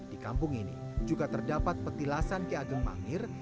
di kampung ini juga terdapat petilasan ki ageng mangir